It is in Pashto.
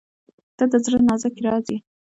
• ته د زړه نازک راز یې.